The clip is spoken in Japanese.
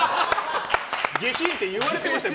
下品って言われてましたよ